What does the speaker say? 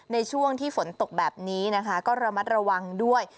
ในช่วงที่ฝนตกแบบนี้นะคะก็ระมัดระวังด้วย